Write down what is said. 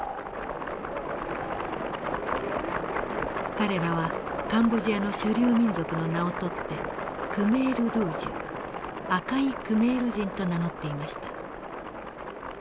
彼らはカンボジアの主流民族の名を取ってクメール・ルージュ赤いクメール人と名乗っていました。